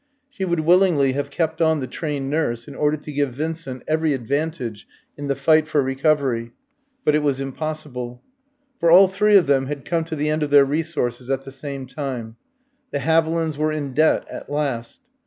She would willingly have kept on the trained nurse, in order to give Vincent every advantage in the fight for recovery; but it was impossible. For all three of them had come to the end of their resources at the same time. The Havilands were in debt at last.